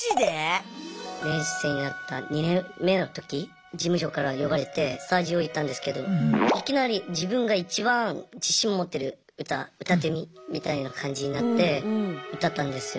練習生になった２年目の時事務所から呼ばれてスタジオ行ったんですけどいきなり自分がいちばん自信持ってる歌歌ってみみたいな感じになって歌ったんですよ。